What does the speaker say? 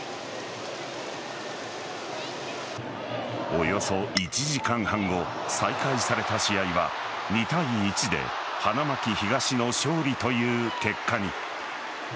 およそ１時間半後再開された試合は２対１で花巻東の勝利という結果に。